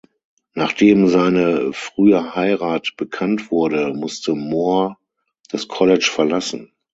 Nachdem seine frühe Heirat bekannt wurde, musste Moore das College verlassen.